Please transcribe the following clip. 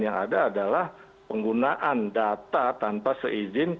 yang ada adalah penggunaan data tanpa seizin